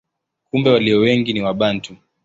Kumbe walio wengi ni Wabantu.